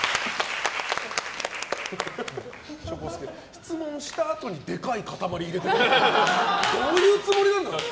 質問したあとにでかい塊を入れてどういうつもりなんだよ。